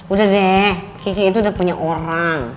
udah deh kiki itu udah punya orang